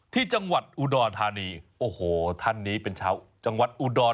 ที่จังหวัดอุดรธานีโอ้โหท่านนี้เป็นชาวจังหวัดอุดร